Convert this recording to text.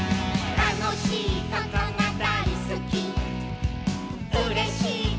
「うれしいことがだいすき」